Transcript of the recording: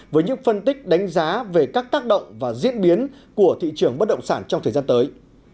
với những phân tích đánh giá về các tác động và diễn biến của thị trường bất động sản trong thời gian tới